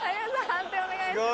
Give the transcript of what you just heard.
判定お願いします。